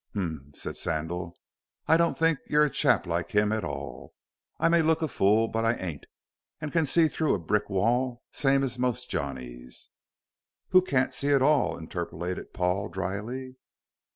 "Humph," said Sandal, "I don't think you're a chap like him at all. I may look a fool, but I ain't, and can see through a brick wall same as most Johnnies." "Who can't see at all," interpolated Paul, dryly.